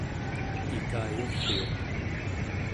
ikayuriuq